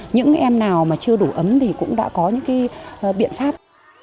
những em nào mà chưa đủ ấm thì cũng đã có những cái biện pháp